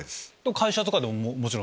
会社とかでももちろん。